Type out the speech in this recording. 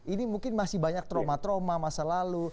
ini mungkin masih banyak trauma trauma masa lalu